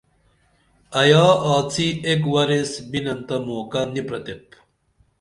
ایا آڅی ایک ور ایس بِنن تہ موقع نی پرتیب